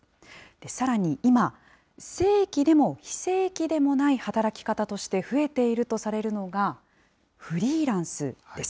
さらに今、正規でも非正規でもない働き方として増えているとされるのが、フリーランスです。